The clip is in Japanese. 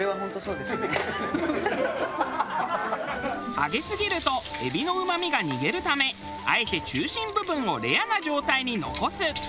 揚げすぎると海老のうまみが逃げるためあえて中心部分をレアな状態に残す。